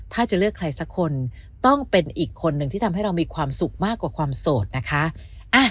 ถ้าจะเลือกใครสักคนต้องเป็นอีกคนหนึ่งที่ทำให้เรามีความสุขมากกว่าความโสดนะคะ